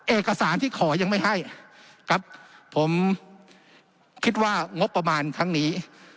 เอกสารที่ขอยังไม่ให้ครับผมคิดว่างบประมาณครั้งนี้